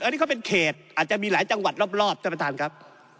อันนี้เขาเป็นเขตอาจจะมีหลายจังหวัดรอบท่านประธานครับ